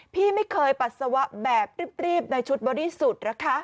พี่ไม่เคยปัสสาวะแบบรีบในชุดบริสุทธิ์นะคะ